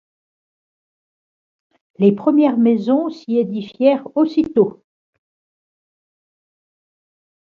Les premières maisons s'y édifièrent aussitôt.